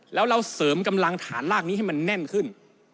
แล้วเราเสริมกำลังฐานลากนี้ให้มันแน่นขึ้น